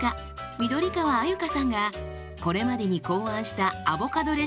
緑川鮎香さんがこれまでに考案したアボカドレシピ